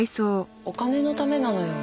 お金のためなのよ。